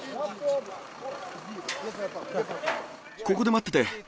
ここで待ってて。